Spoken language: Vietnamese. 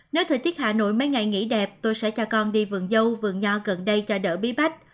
nếu thời tiết hà nội mấy ngày nghỉ đẹp tôi sẽ cho con đi vườn dâu vườn nho gần đây cho đỡ bí bách